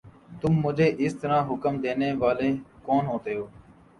تم مجھے اس طرح حکم دینے والے کون ہوتے ہو؟